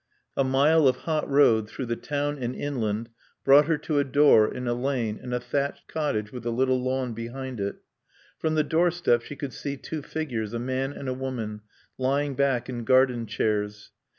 A mile of hot road through the town and inland brought her to a door in a lane and a thatched cottage with a little lawn behind it. From the doorstep she could see two figures, a man and a woman, lying back in garden chairs.